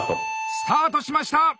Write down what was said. スタートしました。